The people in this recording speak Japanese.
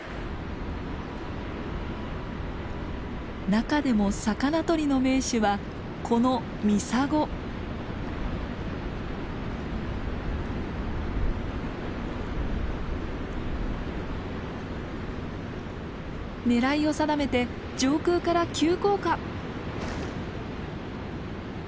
中でも魚とりの名手はこの狙いを定めて上空から急降下。